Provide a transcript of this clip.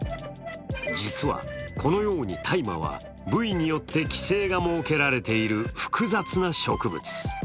実はこのように大麻は、部位によって規制が設けられている複雑な植物。